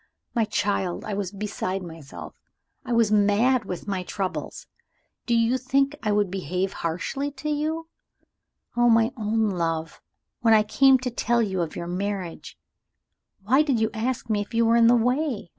My child! I was beside myself I was mad with my troubles. Do you think I would behave harshly to you? Oh, my own love! when I came to tell you of your marriage, why did you ask me if you were in the way?